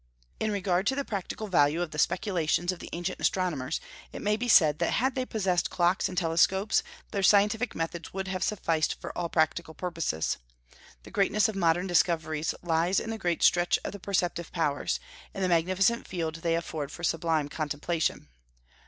In regard to the practical value of the speculations of the ancient astronomers, it may be said that had they possessed clocks and telescopes, their scientific methods would have sufficed for all practical purposes. The greatness of modern discoveries lies in the great stretch of the perceptive powers, and the magnificent field they afford for sublime contemplation.